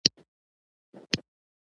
ډېرې زارۍ راته وکړې.